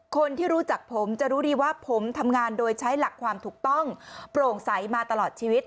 คนที่รู้จักผมจะรู้ดีว่าผมทำงานโดยใช้หลักความถูกต้องโปร่งใสมาตลอดชีวิต